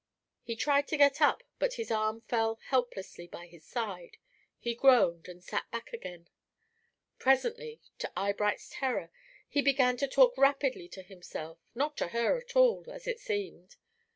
He tried to get up, but his arm fell helplessly by his side, he groaned, and sank back again. Presently, to Eyebright's terror, he began to talk rapidly to himself, not to her at all, as it seemed.